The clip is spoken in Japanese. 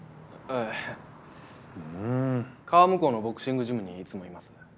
川向こうのボクシングジムにいつもいます。